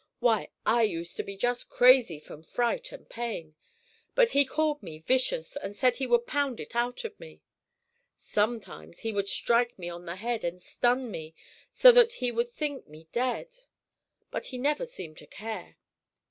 Why, I used to be just crazy from fright and pain, but he called me vicious, and said he would pound it out of me. Sometimes he would strike me on the head and stun me so that he would think me dead, but he never seemed to care.